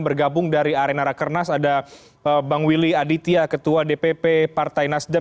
bergabung dari arena rakernas ada bang willy aditya ketua dpp partai nasdem